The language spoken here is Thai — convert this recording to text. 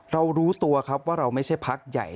รู้ตัวครับว่าเราไม่ใช่พักใหญ่